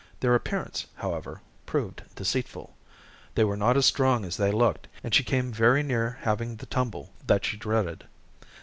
Their appearance, however, proved deceitful. They were not as strong as they looked, and she came very near having the tumble that she dreaded.